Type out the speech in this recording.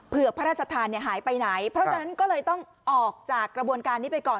เพื่อพระราชทานหายไปไหนเพราะฉะนั้นก็เลยต้องออกจากกระบวนการนี้ไปก่อน